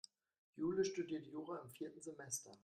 Jule studiert Jura im vierten Semester.